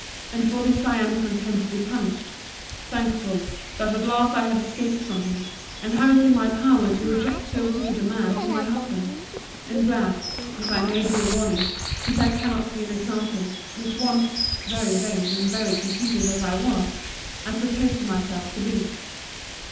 And for this I am content to be punished: thankful, that at last I have escaped from him; and have it in my power to reject so wicked a man for my husband: and glad, if I may be a warning, since I cannot be an example: which once (very vain, and very conceited, as I was) I proposed to myself to be.